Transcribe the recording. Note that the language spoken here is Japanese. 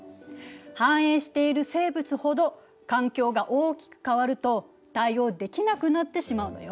繁栄している生物ほど環境が大きく変わると対応できなくなってしまうのよ。